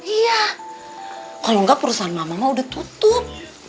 iya kalau enggak perusahaan mama mama udah tutup